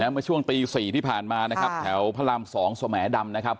เมื่อช่วงตี๔ที่ผ่านมานะครับแถวพระราม๒สมดำนะครับ